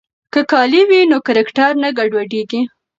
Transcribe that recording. که کالي وي نو کرکټر نه ګډوډیږي.